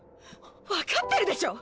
分かってるでしょ？